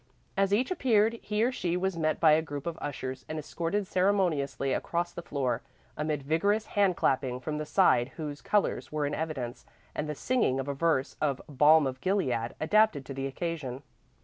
As each appeared, he or she was met by a group of ushers and escorted ceremoniously across the floor, amid vigorous hand clapping from the side whose colors were in evidence, and the singing of a verse of "Balm of Gilead" adapted to the occasion.